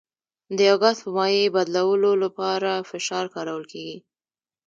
د یو ګاز په مایع بدلولو لپاره فشار کارول کیږي.